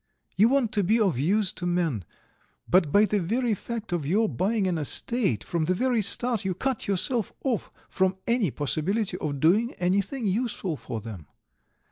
You want to be of use to men, but by the very fact of your buying an estate, from the very start you cut yourself off from any possibility of doing anything useful for them.